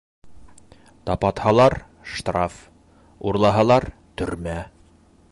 Тапатһалар - штраф, урлаһалар - төрмә!